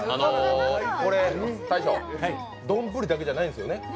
大将、丼だけじゃないんですよね？